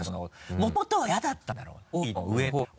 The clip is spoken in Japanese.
もともとは嫌だったんだろうな。